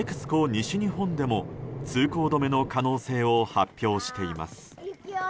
西日本でも通行止めの可能性を発表しています。